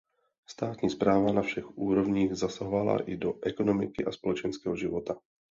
Státní správa na všech úrovních zasahovala i do ekonomiky a společenského života.